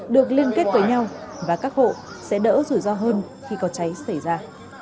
được liên kết với nhau và các hộ sẽ đỡ rủi ro hơn khi có cháy xảy ra